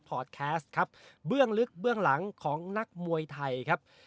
พอดแคสต์ครับเบื้องลึกเบื้องหลังของนักมวยไทยครับ